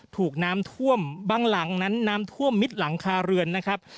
ถูกน้ำท่วมบางหลังนั้นน้ำท่วมมิดหลังคาเรือนนะครับ